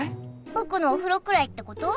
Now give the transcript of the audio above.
僕のお風呂くらいってこと？